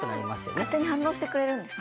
勝手に反応してくれるんですね。